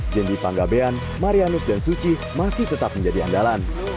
jendi panggabean marianus dan suci masih tetap menjadi andalan